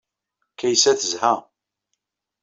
Kaysa tezha.